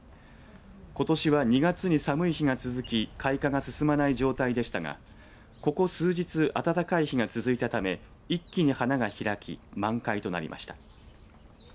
ことしは２月に寒い日が続き開花が進まない状態でしたがここ数日暖かい日が続いたため一気に花が開き満開となりました。